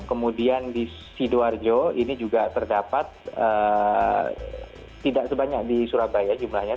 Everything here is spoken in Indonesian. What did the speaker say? kemudian di sidoarjo ini juga terdapat tidak sebanyak di surabaya jumlahnya